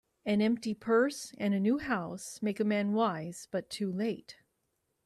An empty purse, and a new house, make a man wise, but too late